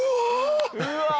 うわ。